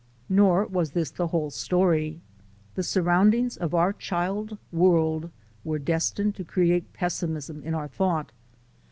Nor was this the whole story. The surroundings of our child world were destined to create pessimism in our thought.